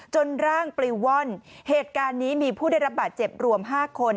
ร่างปลิวว่อนเหตุการณ์นี้มีผู้ได้รับบาดเจ็บรวม๕คน